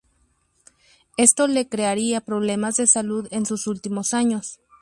Esto le crearía problemas de salud en sus últimos años.